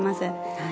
はい。